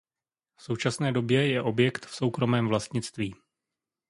V současné době je objekt v soukromém vlastnictví.